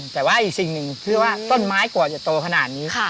แต่ว่าอีกสิ่งหนึ่งที่ว่าต้นไม้กว่าจะโตขนาดนี้